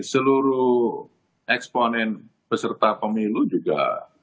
seluruh eksponen peserta pemilu juga